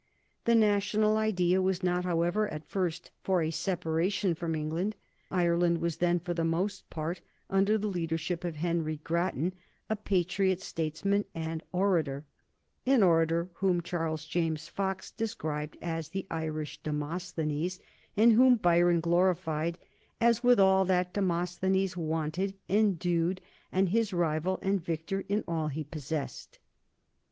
The national idea was not, however, at first for a separation from England. Ireland was then for the most part under the leadership of Henry Grattan, a patriot, statesman, and orator an orator whom Charles James Fox described as the "Irish Demosthenes," and whom Byron glorified as "with all that Demosthenes wanted endued, and his rival and victor in all he possessed."